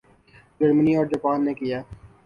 جرمنی اور جاپان نے کیا